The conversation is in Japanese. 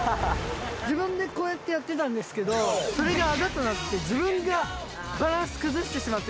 自分でこうやってやってたんですけどそれがあだとなって自分がバランス崩してしまって。